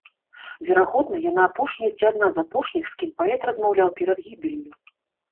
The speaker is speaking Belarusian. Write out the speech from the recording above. Верагодна, яна апошняя ці адна з апошніх, з кім паэт размаўляў перад гібеллю.